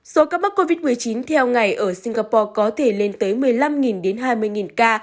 số ca mắc covid một mươi chín theo ngày ở singapore có thể lên tới một mươi năm đến hai mươi ca